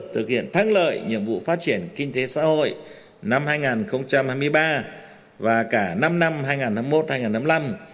thực hiện thắng lợi nhiệm vụ phát triển kinh tế xã hội năm hai nghìn hai mươi ba và cả năm năm hai nghìn hai mươi một hai nghìn hai mươi năm